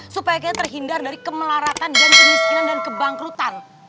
supaya kita terhindar dari kemelaratan kemiskinan dan kebangkrutan